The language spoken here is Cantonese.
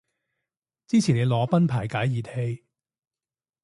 支持你裸奔排解熱氣